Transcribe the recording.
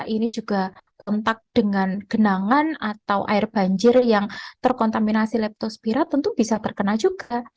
ini juga kontak dengan genangan atau air banjir yang terkontaminasi leptospira tentu bisa terkena juga